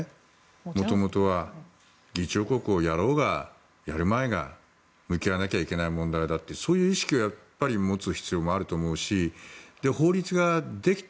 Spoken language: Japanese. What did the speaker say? もともとは議長国をやろうが、やらまいが向き合わなきゃいけない問題だっていうそういう意識を持つ必要もあると思うし法律ができて。